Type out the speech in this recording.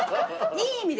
いい意味で。